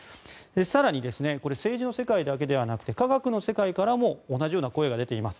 更に、政治の世界だけではなくて科学の世界からも同じような声が出ています。